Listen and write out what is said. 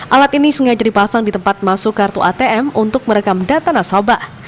alat ini sengaja dipasang di tempat masuk kartu atm untuk merekam data nasabah